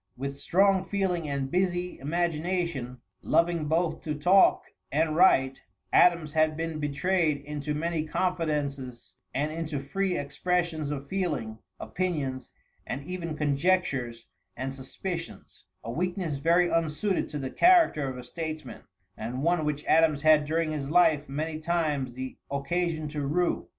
With strong feeling and busy imagination, loving both to talk and write, Adams had been betrayed into many confidences and into free expressions of feeling, opinions, and even conjectures and suspicions a weakness very unsuited to the character of a statesman, and one which Adams had during his life many times the occasion to rue.